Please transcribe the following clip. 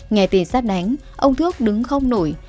nghe tin sát đánh ông thước đứng không nổi